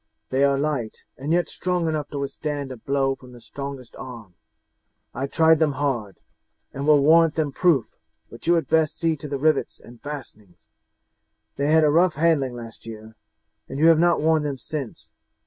They are light, and yet strong enough to withstand a blow from the strongest arm. I tried them hard, and will warrant them proof, but you had best see to the rivets and fastenings. They had a rough handling last year, and you have not worn them since.